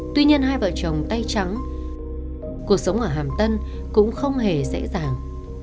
tuy nhiên hai vợ chồng tay trắng cuộc sống ở hàm tân cũng không hề dễ dàng